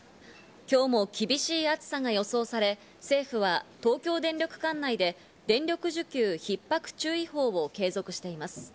今日も厳しい暑さが予想され、政府は東京電力管内で電力需給ひっ迫注意報を継続しています。